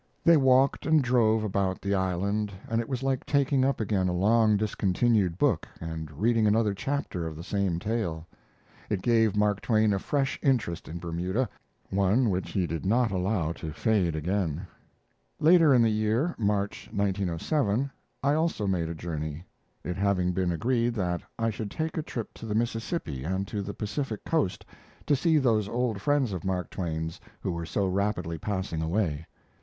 They walked and drove about the island, and it was like taking up again a long discontinued book and reading another chapter of the same tale. It gave Mark Twain a fresh interest in Bermuda, one which he did not allow to fade again. Later in the year (March, 1907) I also made a journey; it having been agreed that I should take a trip to the Mississippi and to the Pacific coast to see those old friends of Mark Twain's who were so rapidly passing away.